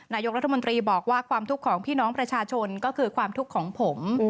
นายกรัฐมนตรีบอกว่าความทุกข์ของพี่น้องประชาชนก็คือความทุกข์ของผม